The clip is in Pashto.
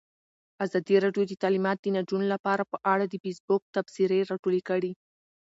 ازادي راډیو د تعلیمات د نجونو لپاره په اړه د فیسبوک تبصرې راټولې کړي.